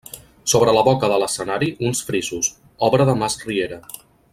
Sobre la boca de l'escenari uns frisos, obra de Masriera.